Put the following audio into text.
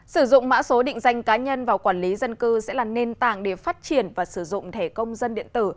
sử dụng mã số định danh cá nhân vào quản lý dân cư sẽ là nền tảng để phát triển và sử dụng thẻ công dân điện tử